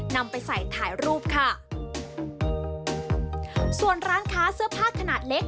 นำไปใส่ถ่ายรูปค่ะส่วนร้านค้าเสื้อผ้าขนาดเล็ก